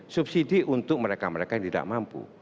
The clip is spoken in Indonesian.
subsidi untuk mereka mereka yang tidak mampu